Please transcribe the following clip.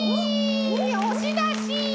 おしだし！